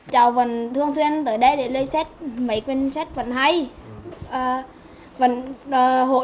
cháu vẫn thường xuyên tới đây để lấy sách mấy quyền sách vẫn hay vẫn hỗ trợ cho cháu học